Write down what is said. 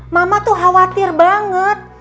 mama tuh khawatir banget